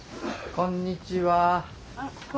こんにちは。